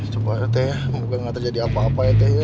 coba ya teh semoga gak terjadi apa apa ya teh ya